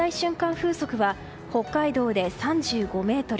風速は北海道で３５メートル